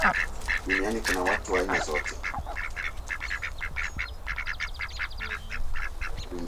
Duniani kuna watu wa aina zote